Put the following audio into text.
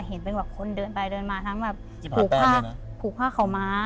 แต่เห็นเป็นแบบคนเดินไปเดินมาคืนผูกผ้าเข่าม้า